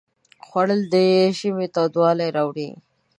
خوړل د ژمي تودوالی راوړي